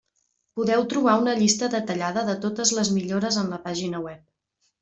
Podeu trobar una llista detallada de totes les millores en la pàgina web.